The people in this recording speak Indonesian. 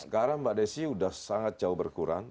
sekarang mbak desi sudah sangat jauh berkurang